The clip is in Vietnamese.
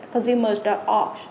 trong môi trường nội dung của việt nam